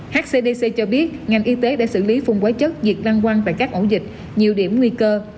hcdc cho biết ngành y tế đã xử lý phùng quái chất diệt lăng quăng và các ổ dịch nhiều điểm nguy cơ